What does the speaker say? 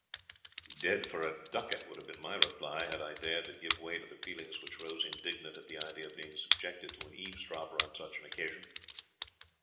"Dead for a ducat," would have been my reply, had I dared to give way to the feelings which rose indignant at the idea of being subjected to an eaves dropper on such an occasion.